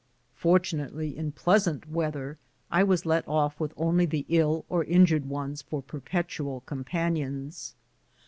Fortunately, in pleasant weather, I was let off with only the ill or injured ones for perpetual companions.